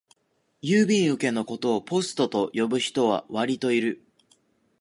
郵便受けのことをポストと呼ぶ人はわりといる